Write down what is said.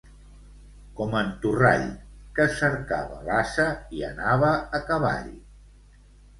Com en Torrall, que cercava l'ase i anava a cavall.